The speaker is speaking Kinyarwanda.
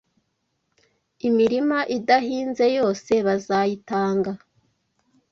Imirima idahinze yose bazayitanga